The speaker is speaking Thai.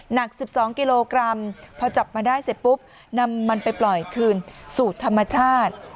หนัก๑๒กิโลกรัมพอจับมาได้เสร็จปุ๊บนำมันไปปล่อยคืนสู่ธรรมชาติ